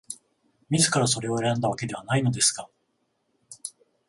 自らそれを選んだわけではないのですが、